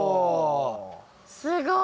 すごい。